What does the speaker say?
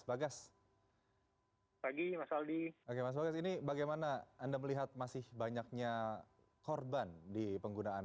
bagas pagi mas aldi oke mas bagas ini bagaimana anda melihat masih banyaknya korban di penggunaan